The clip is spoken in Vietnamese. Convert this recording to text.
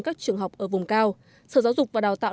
các trường học ở vùng cao sở giáo dục và đào tạo